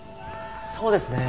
そうですね。